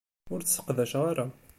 Ur tt-sseqdaceɣ ara.